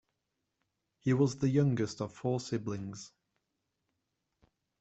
He was the youngest of four siblings.